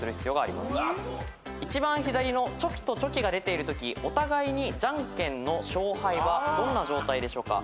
一番左のチョキとチョキが出ているときお互いにじゃんけんの勝敗はどんな状態でしょうか？